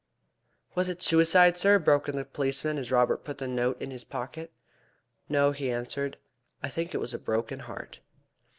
"Was it suicide, sir? Was it suicide?" broke in the policeman as Robert put the note in his pocket. "No," he answered; "I think it was a broken heart."